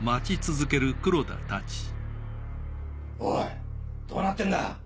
おいどうなってんだ！